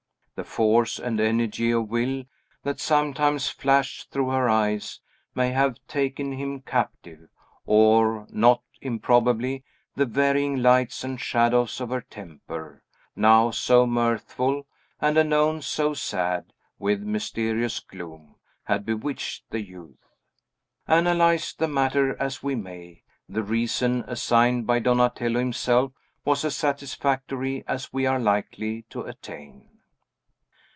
The force and energy of will, that sometimes flashed through her eyes, may have taken him captive; or, not improbably, the varying lights and shadows of her temper, now so mirthful, and anon so sad with mysterious gloom, had bewitched the youth. Analyze the matter as we may, the reason assigned by Donatello himself was as satisfactory as we are likely to attain.